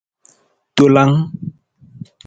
Tolang.